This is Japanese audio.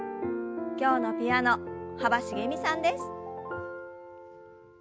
今日のピアノ幅しげみさんです。